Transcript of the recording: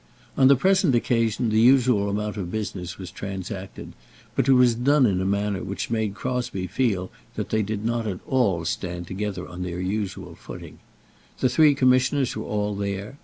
On the present occasion, the usual amount of business was transacted, but it was done in a manner which made Crosbie feel that they did not all stand together on their usual footing. The three Commissioners were all there.